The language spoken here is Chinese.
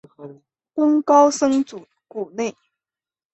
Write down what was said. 当高僧祖古内。